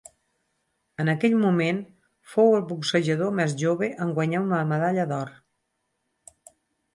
En aquell moment fou el boxejador més jove en guanyar una medalla d'or.